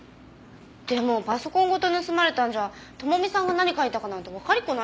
でもパソコンごと盗まれたんじゃ智美さんが何書いたかなんてわかりっこないですよ。